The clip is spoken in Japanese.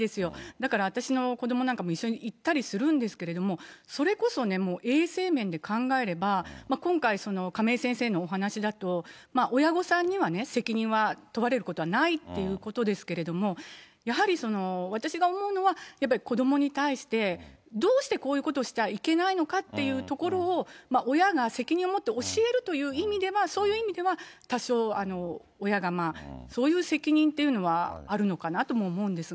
だから私の子どもなんかも一緒に行ったりするんですけれども、それこそね、衛生面で考えれば、今回、亀井先生のお話だと、親御さんには責任は問われることはないっていうことですけれども、やはり私が思うのは、やっぱり子どもに対して、どうしてこういうことをしちゃいけないのかっていうところを、親が責任を持って教えるという意味では、そういう意味では、多少、親がそういう責任っていうのはあるのかなとも思うんですが。